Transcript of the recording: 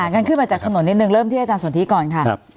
งั้นขึ้นมาจากถนนนิดนึงเริ่มที่อาจารย์สนทิก่อนค่ะ